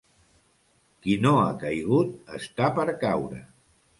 Qui no ha caigut, està per caure.